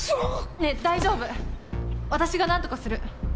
ねぇ大丈夫私が何とかする。